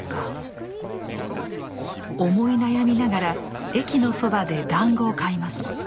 思い悩みながら駅のそばで団子を買います。